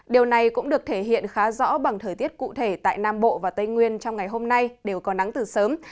điều này cũng được thể hiện khá rõ bằng thời tiết cụ thể tại nam bộ và tây nguyên trong ngày hôm nay đều có nắng từ sớm